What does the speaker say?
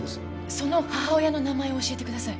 その母親の名前を教えてください。